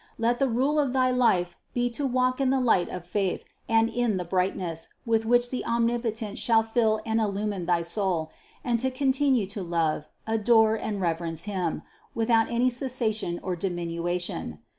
Let the rule of thy life be to walk in the light of faith and in the brightness, with which the Omnipotent shall fill and illumine thy soul, and to continue to love, adore and reverence Him, without any cessation or diminution.